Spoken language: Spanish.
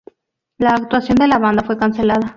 La actuación de la banda fue cancelada.